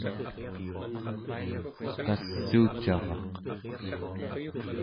kassuucaraq